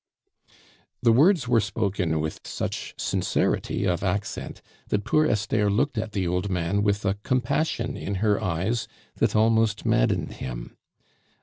The words were spoken with such sincerity of accent, that poor Esther looked at the old man with a compassion in her eyes that almost maddened him.